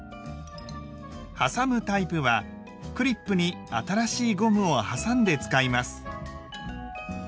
はさむタイプはクリップに新しいゴムをはさんで使います。